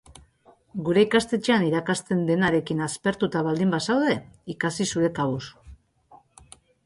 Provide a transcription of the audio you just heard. Gure ikastetxean irakasten denarekin aspertuta baldin bazaude, ikasi zure kabuz.